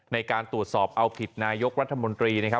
ในการตรวจสอบเอาผิดนายกรัฐมนตรีนะครับ